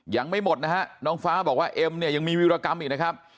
ยังไม่หมดนะฮะน้องฟ้าบอกว่าเอ็มเนี่ยยังมีวิรากรรมอีกนะครับ